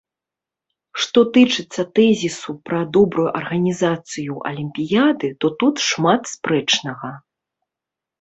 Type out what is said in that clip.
Што тычыцца тэзісу пра добрую арганізацыю алімпіяды, то тут шмат спрэчнага.